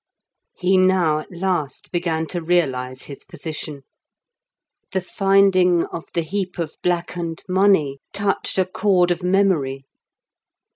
He now at last began to realize his position; the finding of the heap of blackened money touched a chord of memory.